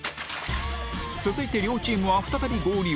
続いて両チームは再び合流